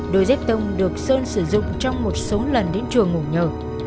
đôi dép tông được sơn sử dụng trong một số lần đến chùa ngủ nhờ